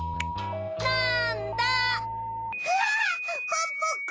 ポンポコ。